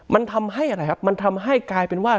มันทำให้อะไรครับมันทำให้กลายเป็นว่า